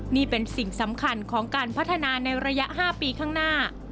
นี่เป็นสิ่งสำคัญของการพัฒนาในระยะ๕ปีข้างหน้า